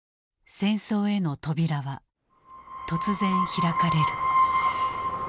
戦争への扉は突然開かれる。